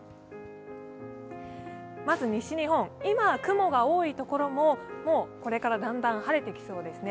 まず西日本、今雲が多い所もこれからだんだん晴れてきそうですね。